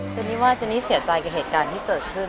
นี่ว่าเจนี่เสียใจกับเหตุการณ์ที่เกิดขึ้น